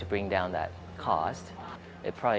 kita berharap bisa menurunkan harganya